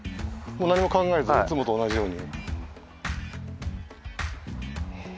もう何も考えずいつもと同じように。